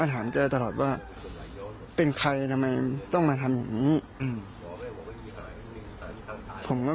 ไม่อยากให้แม่เป็นอะไรไปแล้วนอนร้องไห้แท่ทุกคืน